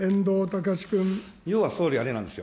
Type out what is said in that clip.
要は総理、あれなんですよ。